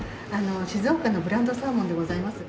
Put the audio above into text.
静岡のブランドサーモンでございます。